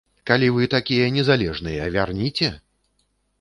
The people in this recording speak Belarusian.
Калі вы такія незалежныя, вярніце!